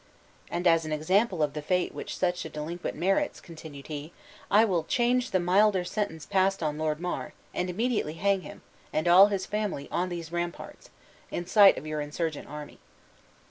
And as an example of the fate which such a delinquent merits," continued he, "I will change the milder sentence passed on Lord Mar, and immediately hang him, and all his family, on these ramparts, in sight of your insurgent army."